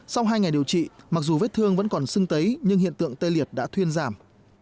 sau hai ngày điều trị mặc dù vết thương vẫn còn sưng tấy nhưng hiện tượng tê liệt đã thuyên giảm